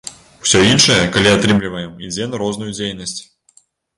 Усё іншае, калі атрымліваем, ідзе на розную дзейнасць.